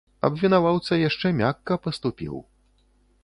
Абвінаваўца яшчэ мякка паступіў.